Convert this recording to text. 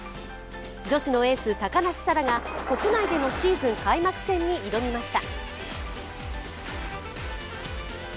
女子のエース・高梨沙羅が国内でのシーズン開幕戦に挑みました。